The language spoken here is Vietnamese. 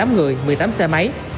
hai mươi tám người một mươi tám xe máy